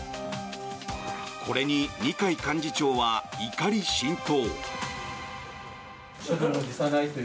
これに二階幹事長は怒り心頭。